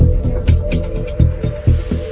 สวัสดีครับ